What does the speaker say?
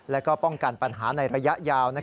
แล้วก็ป้องกันปัญหาในระยะยาว